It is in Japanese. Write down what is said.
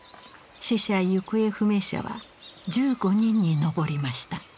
死者・行方不明者は１５人に上りました。